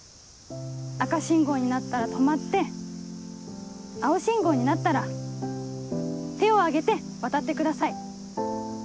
赤信号になったら止まって青信号になったら手を上げて渡ってください。